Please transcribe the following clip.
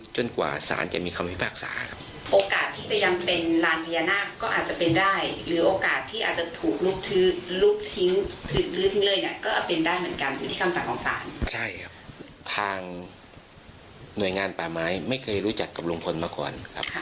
ใช่ครับทางหน่วยงานป่าไม้ไม่เคยรู้จักกับลุงพลมาก่อนครับ